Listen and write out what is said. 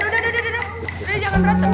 udah jangan berantem ya